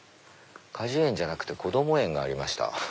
果樹園じゃなくて子供園がありました。